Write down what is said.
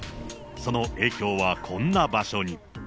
その影響はこんな場所に。